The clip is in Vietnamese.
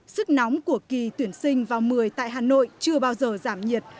sức nóng của kỳ tuyển sinh vào một mươi tại hà nội chưa bao giờ giảm nhiệt